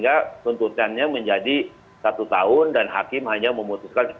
kavo mengeluarinya tentang k patrimonial bahwa cittadeon polisi cirewati itu tidak cukup